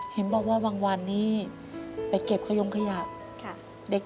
เห็นบ้างว่าวางนี้ไปเก็บขยมขยับ